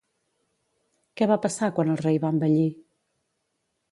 Què va passar quan el rei va envellir?